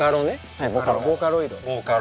はいボーカロイド。